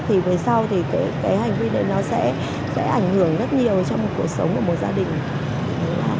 thì về sau thì cái hành vi này nó sẽ ảnh hưởng rất nhiều cho một cuộc sống của một gia đình